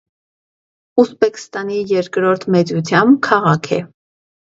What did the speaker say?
Ուզպեքստանի երկրորդ մեծութեամբ քաղաք է։